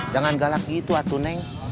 jangan galak gitu atuneng